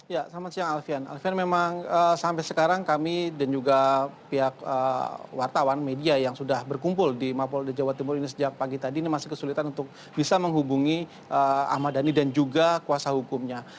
ya selamat siang alfian alfian memang sampai sekarang kami dan juga pihak wartawan media yang sudah berkumpul di mapolda jawa timur ini sejak pagi tadi ini masih kesulitan untuk bisa menghubungi ahmad dhani dan juga kuasa hukumnya